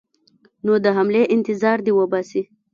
نو د حملې انتظار دې وباسي.